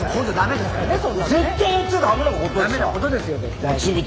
だめなことですよ絶対。